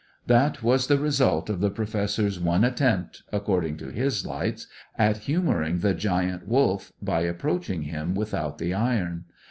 ] That was the result of the Professor's one attempt, according to his lights, at humouring the Giant Wolf, by approaching him without the iron.